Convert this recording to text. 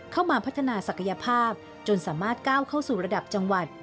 เข้ามาพัฒนาศักยภาพจนสามารถก้าวเข้าสู่ระดับจังหวัด